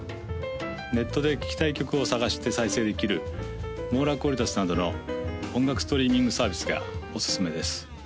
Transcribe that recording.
ネットで聴きたい曲を探して再生できるｍｏｒａｑｕａｌｉｔａｓなどの音楽ストリーミングサービスがおすすめです